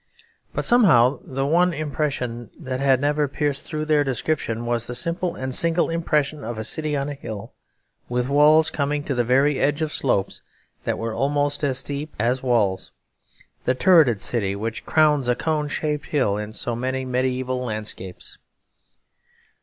But somehow the one impression that had never pierced through their description was the simple and single impression of a city on a hill, with walls coming to the very edge of slopes that were almost as steep as walls; the turreted city which crowns a cone shaped hill in so many mediaeval landscapes.